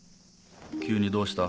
急にどうした？